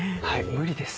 無理です。